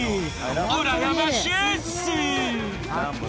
うらやましいっす！